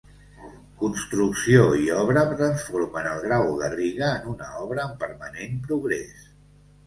Construcció i Obra transformen el Grau Garriga en una obra en permanent progrés.